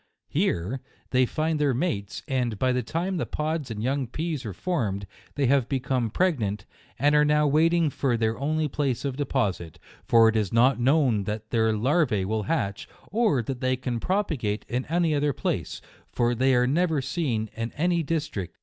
Here they find their mates, and by the time the pods and young peas are form ed, they have become pregnant, and are now waiting for their only place of deposit ; for it is not known that their larvae will hatch, or that they can propagate in any other place ; for they are never seen in anv district of 1 32 JUNE.